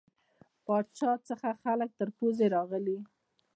پاچا څخه خلک تر پوزې راغلي.